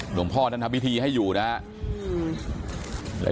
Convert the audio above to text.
หลวงพ่อท่านทำพิธีให้อยู่นะครับ